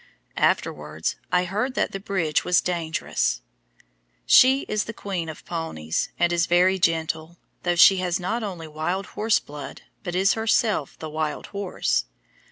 Afterwards I heard that the bridge was dangerous. She is the queen of ponies, and is very gentle, though she has not only wild horse blood, but is herself the wild horse.